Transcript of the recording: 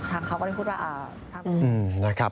ทางเขาก็ได้พูดว่า